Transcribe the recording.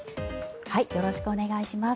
よろしくお願いします。